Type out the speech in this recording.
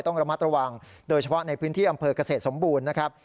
ต้องระมัดระวังโดยเฉพาะในพื้นที่อำเภอกเกษตรสมบูรณ์นะครับ